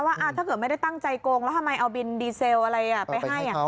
ว่าถ้าเกิดไม่ได้ตั้งใจโกงแล้วทำไมเอาบินดีเซลอะไรไปให้